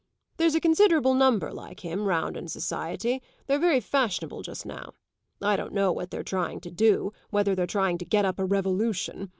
There's a considerable number like him, round in society; they're very fashionable just now. I don't know what they're trying to do whether they're trying to get up a revolution.